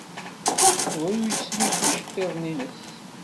Yuba ur yettlusu iceḍḍiḍen-nnes.